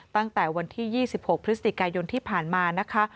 ตั้งแต่วันที่๒๖พฤศจิกายนที่ผ่านมานะคะ